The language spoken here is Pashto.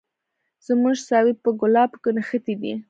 زموږ ساوي په ګلابو کي نغښتي دي